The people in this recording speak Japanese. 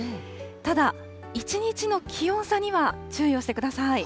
ただ、１日の気温差には注意をしてください。